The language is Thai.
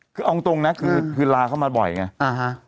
คืออองตรงนะคือลาเขามาบ่อยไง